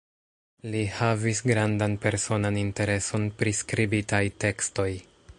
Li havis grandan personan intereson pri skribitaj tekstoj.